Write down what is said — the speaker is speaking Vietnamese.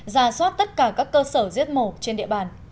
ra soát tất cả các cơ sở giết mổ trên địa bàn